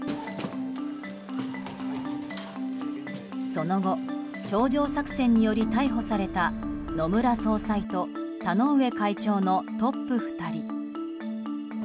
その後頂上作戦により逮捕された野村総裁と田上会長のトップ２人。